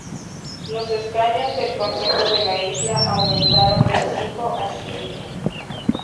Los escaños del Consejo de la Isla aumentaron de cinco a siete.